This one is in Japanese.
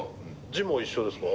字も一緒ですか？